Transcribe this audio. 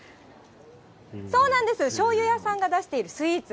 そうなんです、しょうゆ屋さんが出しているスイーツ。